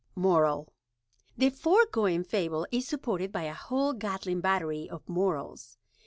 Moral The foregoing fable is supported by a whole Gatling Battery of Morals.